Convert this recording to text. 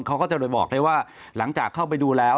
เขาก็จะโดยบอกได้ว่าหลังจากเข้าไปดูแล้ว